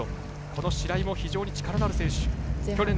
この白井も、非常に力のある選手。